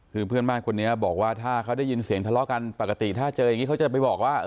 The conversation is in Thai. คือเพื่อนบ้านคนนี้บอกว่าถ้าเขาได้ยินเสียงทะเลาะกันปกติถ้าเจออย่างนี้เขาจะไปบอกว่า